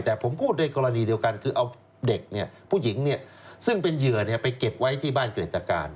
แต่ผมพูดในกรณีเดียวกันคือเอาเด็กผู้หญิงซึ่งเป็นเหยื่อไปเก็บไว้ที่บ้านเกรตการ